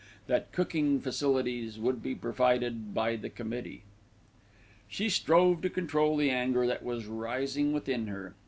that cooking facilities would be provided by the committee. She strove to control the anger that was rising within her.